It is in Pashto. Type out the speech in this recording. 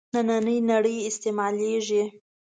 نننۍ نړۍ استعمالېږي.